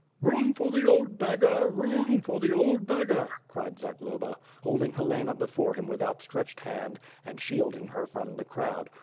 "Room for the old beggar, room for the old beggar/' cried Zagloba, holding Helena before him with outstretched hand, and shielding her from the crowd.